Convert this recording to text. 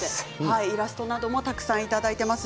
イラストなどもたくさんいただいています。